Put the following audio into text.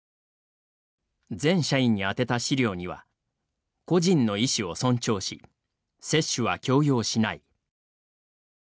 全社員に宛てた資料には個人の意思を尊重し接種は強要しない。